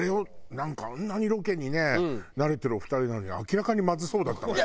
なんかあんなにロケにね慣れてるお二人なのに明らかにまずそうだったわよ。